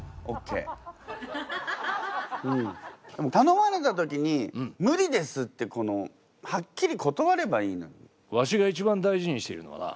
たのまれたときに無理ですってはっきり断ればいいのに。